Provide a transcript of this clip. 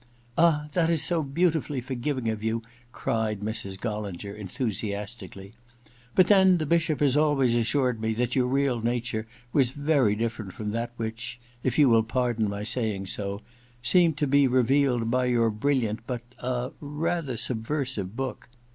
*Ah, that is so beautifully forgiving of you !' cried Mrs. Gollinger enthusiastically. ' But then the Bishop has always assured me that your real nature was very different from that which — if you wiU pardon my saying so — ^seems to be revealed by your brilliant but — er — rather subversive book.